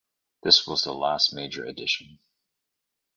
This was the last major addition.